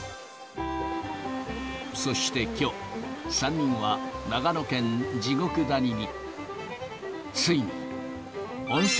そして、きょう、３人は長野県地獄谷に。